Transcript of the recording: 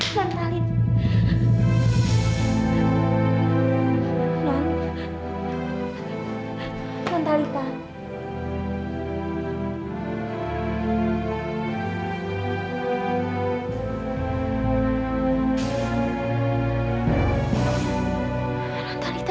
jangan coba coba mendekat